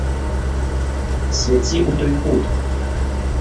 Свяці ў той кут.